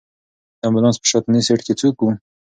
د امبولانس په شاتني سېټ کې څوک و؟